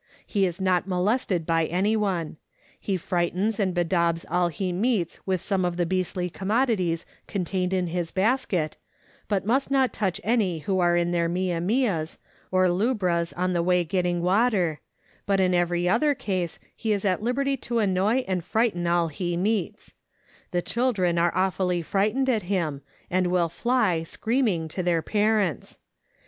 He is not molested by any one. He frightens and bedaubs all he meets with some of the beastly commodities con tained in his basket, but must not touch any Avho are in their mia mias, or lubras on the way getting water, but in every other case he is at liberty to annoy and frighten all he meets ; the children are awfully frightened at him, and will fly, screaming, to their parents.